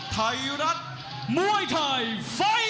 ไทรัฐมวยไทยฟอร์แมน